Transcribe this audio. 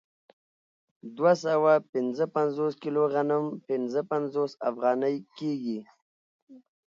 دوه سوه پنځه پنځوس کیلو غنم پنځه پنځوس افغانۍ کېږي